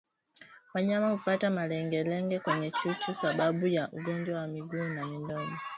Wanyama hupata malengelenge kwenye chuchu sababu ya ugonjwa wa miguu na midomo